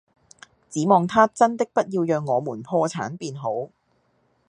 只望他真的不要讓我們破產便好！